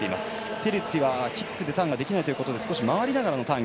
テルツィはキックでターンができないので少し回りながらのターン。